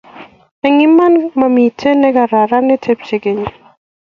eng' iman mamito ne kararan ne tebie keny